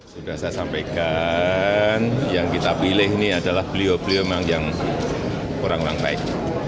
sudah saya sampaikan yang kita pilih ini adalah beliau beliau yang kurang langkaik